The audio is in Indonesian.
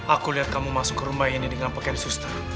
aku lihat kamu masuk ke rumah ini dengan pakaian suster